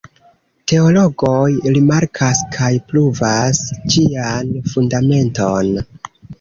Teologoj rimarkas kaj pruvas ĝian fundamenton.